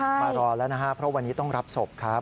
มารอแล้วนะครับเพราะวันนี้ต้องรับศพครับ